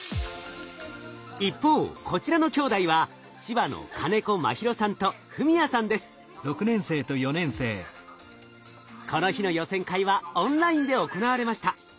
一方こちらのきょうだいは千葉のこの日の予選会はオンラインで行われました。